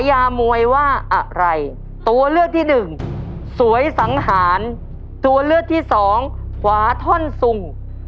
ยามวยว่าอะไรตัวเลือกที่หนึ่งสวยสังหารตัวเลือกที่สองฝาท่อนสุง